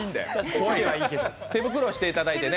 手袋をしていただいてね。